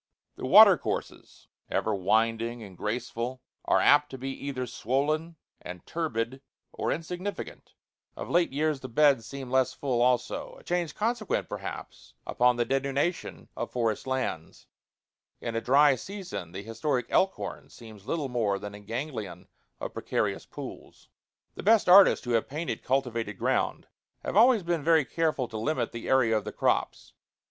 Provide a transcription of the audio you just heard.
The watercourses, ever winding and graceful, are apt to be either swollen and turbid or insignificant; of late years the beds seem less full also a change consequent, perhaps, upon the denudation of forest lands. In a dry season the historic Elkhorn seems little more than a ganglion of precarious pools. IV The best artists who have painted cultivated ground have always been very careful to limit the area of the crops.